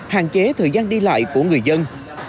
hạn chế thời gian đi lại của người dân